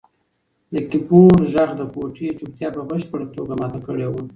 د کیبورډ غږ د کوټې چوپتیا په بشپړه توګه ماته کړې وه.